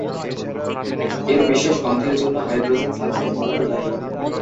এর বিশেষ গন্ধের জন্য হাইড্রোজেন সালফাইড মূলত দায়ী।